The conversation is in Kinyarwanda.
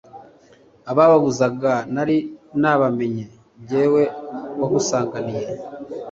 Abababuzaga nari nabamenye Jyewe wagusanganiye,